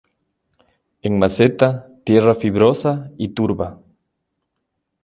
En maceta, tierra fibrosa y turba.